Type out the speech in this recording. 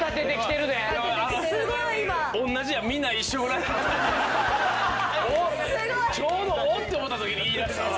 同じやちょうど「おっ！」って思った時に言いだしたわ。